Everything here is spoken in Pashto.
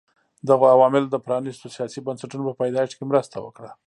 دغو عواملو د پرانیستو سیاسي بنسټونو په پیدایښت کې مرسته وکړه.